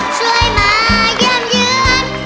ช่วยมาเยี่ยมเยือน